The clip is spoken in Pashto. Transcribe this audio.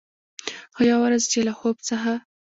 خو، یوه ورځ چې له خوب څخه